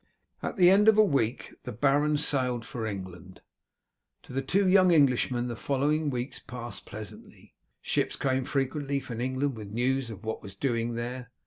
At the end of a week the baron sailed again for England. To the two young Englishmen the following weeks passed pleasantly. Ships came frequently from England with news of what was doing there.